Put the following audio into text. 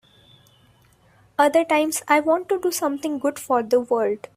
Other times I want to do something good for the world.